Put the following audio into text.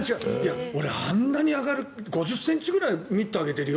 俺、あんなに上がる５０ｃｍぐらいミット上げてるよ。